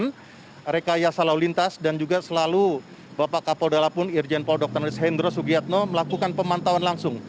dan rekaya salau lintas dan juga selalu bapak kapol dala pun irjen pol dokter nus hendra sugiatno melakukan pemantauan langsung